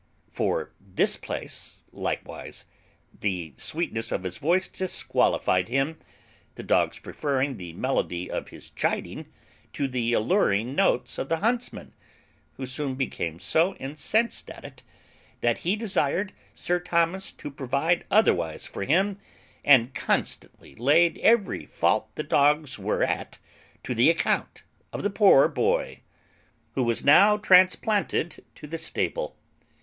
For this place likewise the sweetness of his voice disqualified him; the dogs preferring the melody of his chiding to all the alluring notes of the huntsman, who soon became so incensed at it, that he desired Sir Thomas to provide otherwise for him, and constantly laid every fault the dogs were at to the account of the poor boy, who was now transplanted to the stable.